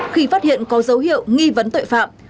khi phát hiện có dấu hiệu nghi vấn tội phạm